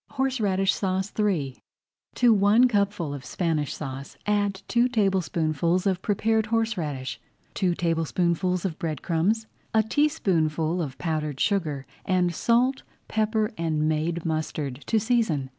HORSERADISH SAUCE III To one cupful of Spanish Sauce add two tablespoonfuls of prepared horseradish, two tablespoonfuls of bread crumbs, a teaspoonful of powdered sugar, and salt, pepper, and made mustard to season.